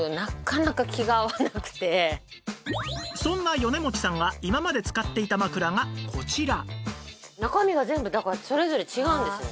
そんな米持さんが今まで使っていた枕がこちら